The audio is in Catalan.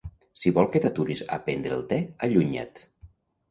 Si vol que t'aturis a prendre el té, allunya't.